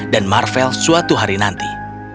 dan marvel suatu hari nanti